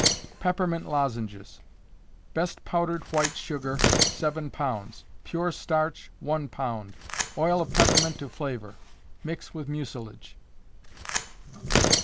Peppermint Lozenges. Best powdered white sugar, seven pounds; pure starch, one pound; oil of peppermint to flavor. Mix with mucilage.